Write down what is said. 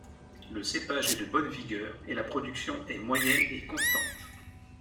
Le cépage est de bonne vigueur et la production est moyenne et constante.